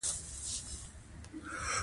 کویلیو د روحاني سفر یو لارښود دی.